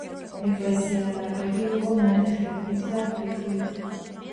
ეკლესია ნაგები იყო ნატეხი ქვით და ფიქლით.